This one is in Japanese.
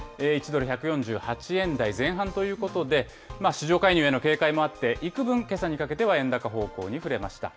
１ドル１４８円台前半ということで、市場介入への警戒もあって、いくぶん、けさにかけては円高方向にふれました。